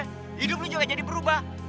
hidup lu juga jadi berubah